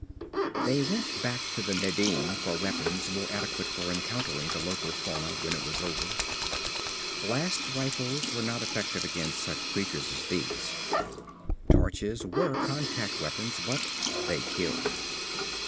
They went back to the Nadine for weapons more adequate for encountering the local fauna when it was over. Blast rifles were not effective against such creatures as these. Torches were contact weapons but they killed.